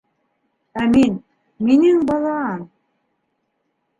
Ә мин... минең балам...